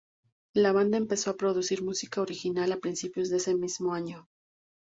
La banda empezó a producir música original a principios de ese mismo año.